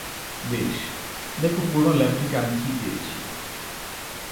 বেশ, দেখো পুরনো ল্যাব থেকে আমি কী পেয়েছি।